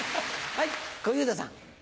はい小遊三さん。